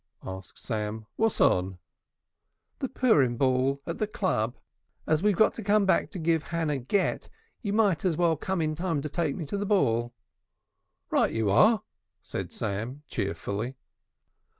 asked Sam. "What's on?" "The Purim Ball at the Club. As you've got to come back to give Hannah Gett, you might as well come in time to take me to the ball." "Right you are," said Sam cheerfully.